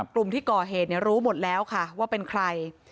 กลุ่มที่ก่อเหตุรู้หมดแล้วค่ะว่าเป็นใคร